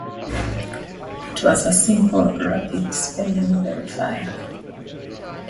It was a simple, rapid spelling verifier.